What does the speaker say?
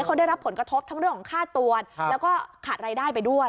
เขาได้รับผลกระทบทั้งเรื่องของค่าตัวแล้วก็ขาดรายได้ไปด้วย